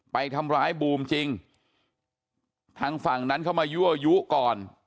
ไปทำร้ายบูมจริงทางฝั่งนั้นเข้ามายั่วยุก่อน